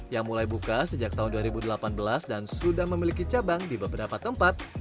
yang mulai buka sejak tahun dua ribu delapan belas dan sudah memiliki cabang di beberapa tempat